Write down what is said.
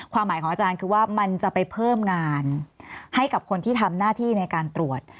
หมายของอาจารย์คือว่ามันจะไปเพิ่มงานให้กับคนที่ทำหน้าที่ในการตรวจ